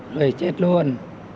rồi chết luôn